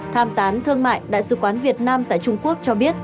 tham tán thương mại đại sứ quán việt nam tại trung quốc cho biết